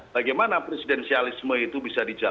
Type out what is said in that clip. bagaimana presidensialisme itu bisa dijaga